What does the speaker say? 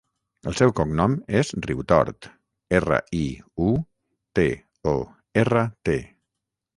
El seu cognom és Riutort: erra, i, u, te, o, erra, te.